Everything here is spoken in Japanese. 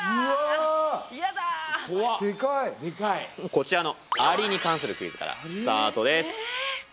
こちらのアリに関するクイズからスタートです。